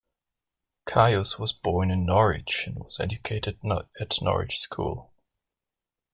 Caius was born in Norwich and was educated at Norwich School.